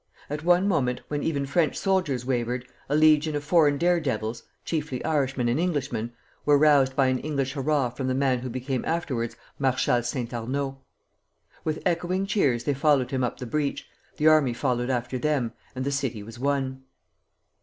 At one moment, when even French soldiers wavered, a legion of foreign dare devils (chiefly Irishmen and Englishmen) were roused by an English hurrah from the man who became afterwards Marshal Saint Arnaud. With echoing cheers they followed him up the breach, the army followed after them, and the city was won.